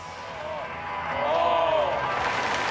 お！